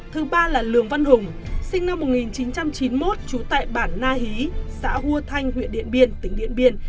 thứ ba là lường văn hùng sinh năm một nghìn chín trăm chín mươi một trú tại bản na hí xã hua thanh huyện điện biên tỉnh điện biên